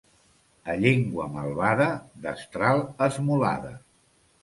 A llengua malvada, destral esmolada.